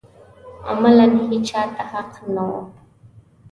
عملاً هېچا ته حق نه و